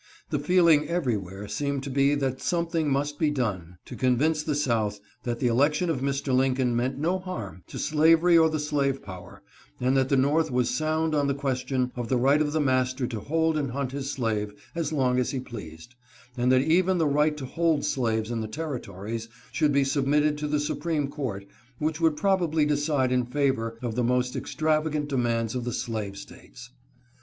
The feeling every where seemed to be that something must be done to con William Lloyd Garrison. EXCITEMENT IN BOSTON. 405 vince the South that the election of Mr. Lincoln meant no harm to slavery or the slave power, and that the North was sound on the question of the right of the mas ter to hold and hunt his slave as long as he pleased, and that even the right to hold slaves in the Territories should be submitted to the supreme court, which would probably decide in favor of the most extravagant demands of the slave States.